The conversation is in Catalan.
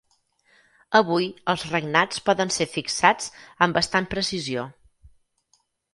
Avui, els regnats poden ser fixats amb bastant precisió.